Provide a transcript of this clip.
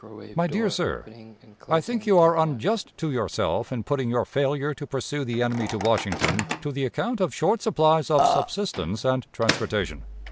_ "My Dear Sir: ... I think you are unjust to yourself in putting your failure to pursue the enemy to Washington to the account of short supplies of subsistence and transportation.